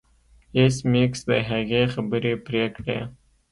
ایس میکس د هغې خبرې پرې کړې